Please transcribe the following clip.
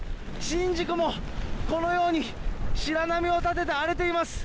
宍道湖もこのように白波を立てて荒れています。